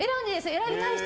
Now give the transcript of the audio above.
選びたい人。